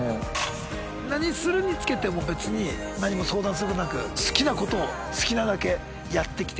何するにつけても別に何も相談することなく好きなことを好きなだけやってきてください！